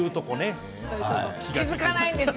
気付かないんですよ。